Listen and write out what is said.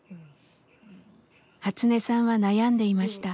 ハツネさんは悩んでいました。